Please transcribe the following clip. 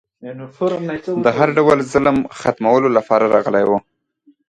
د هر ډول ظلم ختمولو لپاره راغلی و